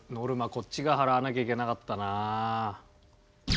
こっちが払わなきゃいけなかったなあ。